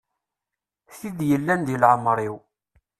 Tid yellan deg leɛmer-iw.